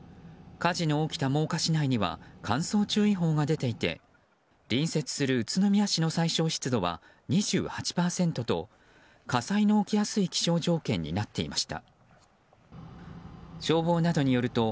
火事の起きた真岡市内には乾燥注意報が出ていて隣接する宇都宮市の最小湿度は２８％と火災の起きやすい気象条件になっていました。